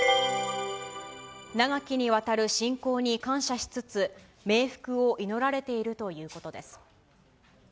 長きにわたる親交に感謝しつつ、冥福を祈られているということです。